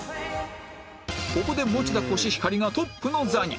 ここで田コシヒカリがトップの座に